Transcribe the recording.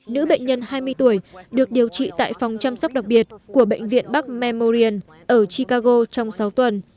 nữ bệnh nhân hai mươi tuổi được điều trị tại phòng chăm sóc đặc biệt của bệnh viện bắc memorian ở chicago trong sáu tuần